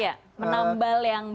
iya menambal yang belum